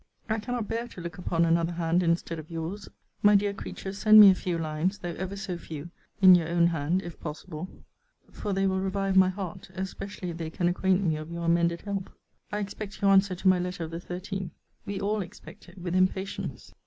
I cannot bear to look upon another hand instead of your's. My dear creature, send me a few lines, though ever so few, in your own hand, if possible. For they will revive my heart; especially if they can acquaint me of your amended health. I expect your answer to my letter of the 13th. We all expect it with impatience.